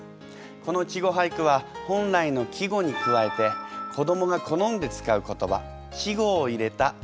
この「稚語俳句」は本来の季語に加えて子どもが好んで使う言葉稚語を入れた句をいいます。